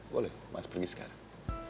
boleh mas pergi sekarang